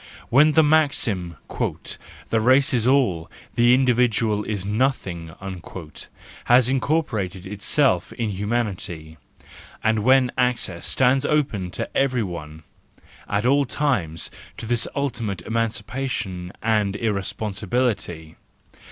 When the maxim, u The race is all, the individual is nothing,"—has incorporated itself in humanity, and when access stands open to every one at all times to this ultimate emancipa¬ tion and irresponsibility.